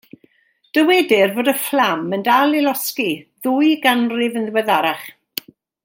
Dywedir fod y fflam yn dal i losgi ddwy ganrif yn ddiweddarach.